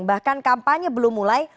bahkan kampanye belum mulai